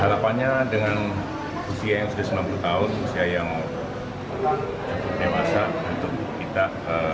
harapannya dengan usia yang sudah sembilan puluh tahun usia yang cukup dewasa untuk kita